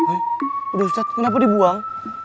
eh udah ustadz kenapa dibuang